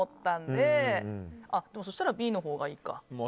でもそしたら、Ｂのほうがいいか。